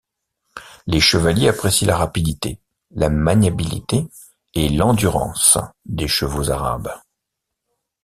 Les chevaliers apprécient la rapidité, la maniabilité et l'endurance des chevaux arabes.